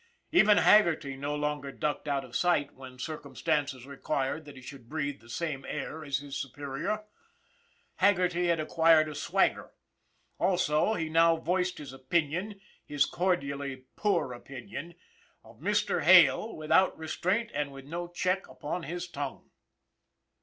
Even Haggerty no longer ducked out of sight when "WHERE'S HAGGERTY?" 263 circumstances required that he should breathe the same air as his superior. Haggerty had acquired a swagger ; also, he now voiced his opinion, his cordially poor opinion, of Mr. Hale without restraint and with no check upon his tongue.